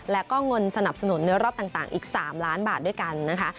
แล้วก็เงินสนับสนุนในรอบต่างอีก๓ล้านบาทด้วยกันนะคะ